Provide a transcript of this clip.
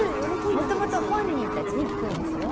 もともと本人たちに聞くんですよ。